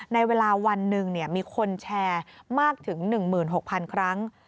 ในเวลาวันหนึ่งมีคนแชร์มากถึง๑๖๐๐๐ครั้ง